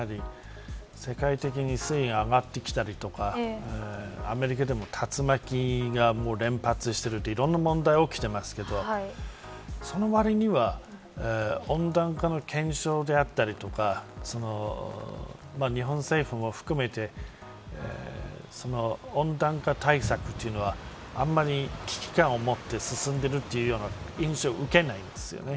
やはり世界的に水位が上がってきたりとかアメリカでも竜巻が連発していたり、いろんな問題が起きていますけどその割には温暖化の検証であったりとか日本政府も含めて温暖化対策というのはあんまり危機感を持って進んでいるというような印象を受けないですよね。